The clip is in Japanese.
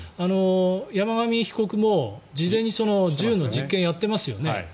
山上被告も事前に銃の実験をやってますよね。